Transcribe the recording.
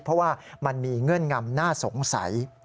เพราะว่ามันมีเงื่อนงำน่าสงสัย